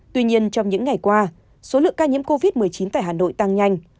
tuy nhiên trong những ngày qua số lượng ca nhiễm covid một mươi chín tại hà nội tăng nhanh